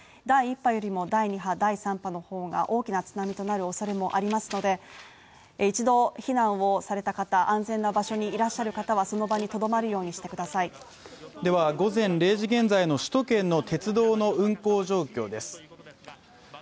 第一波よりも第２波、第３波の方が大きな津波となるおそれもありますので、一度避難をされた方安全な場所にいらっしゃる方はその場にとどまるようにしてくださいでは午前０時現在の首都圏の鉄道の運行状況です